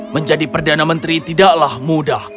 menjadi perdana menteri tidaklah mudah